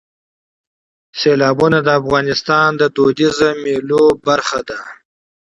سیلابونه د افغانستان د فرهنګي فستیوالونو برخه ده.